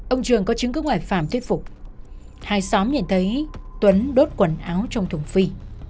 ông trường có chứng cứ ngoại phạm thuyết phục hai xóm nhìn thấy tuấn đốt quần áo trong thùng phi